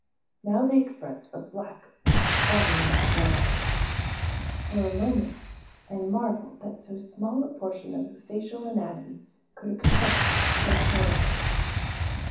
Now they expressed a black, bottomless terror. For a moment I marveled that so small a portion of a facial anatomy could express such horror.